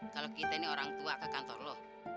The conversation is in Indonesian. kalau kita ini orang tua ke kantor loh